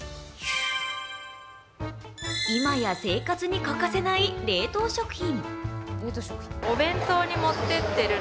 今や生活に欠かせない冷凍食品。